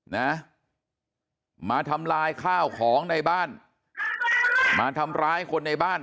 นะมาทำลายข้าวของในบ้านมาทำร้ายคนในบ้าน